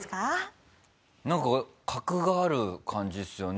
なんか格がある感じですよね。